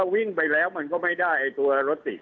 วิ่งไปแล้วมันก็ไม่ได้ไอ้ตัวรถติด